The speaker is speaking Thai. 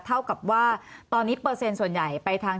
เท่ากับว่าตอนนี้เปอร์เซ็นต์ส่วนใหญ่ไปทาง